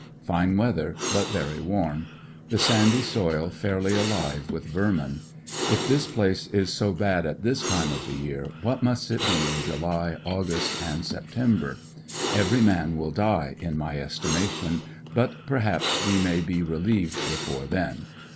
Fine weather but very warm. The sandy soil fairly alive with vermin. If this place is so bad at this time of the year, what must it be in July, August and September? Every man will die, in my estimation, but perhaps we may be relieved before then.